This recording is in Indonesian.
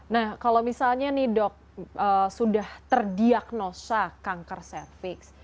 nah kalau misalnya dok sudah terdiagnosa cancer seks